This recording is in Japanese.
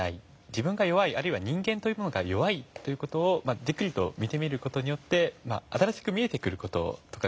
自分が弱いあるいは人間というものが弱いという事をじっくりと見てみる事によって新しく見えてくる事とかがある。